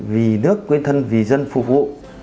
vì nước quên thân vì dân phục vụ